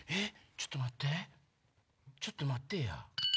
ちょっと待ってちょっと待ってぇや。